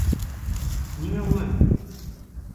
Ниңә улай ул?